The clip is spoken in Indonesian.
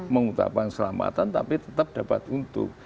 mengutamakan keselamatan tapi tetap dapat untung